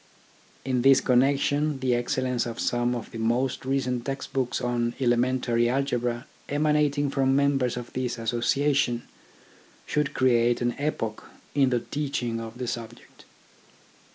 In this connection the excellence of some of the most recent text books on elementary algebra emanating from members of this Association, should create an epoch in the teaching of the subject.